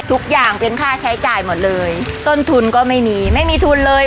ทุกอย่างเป็นค่าใช้จ่ายหมดเลยต้นทุนก็ไม่มีไม่มีทุนเลย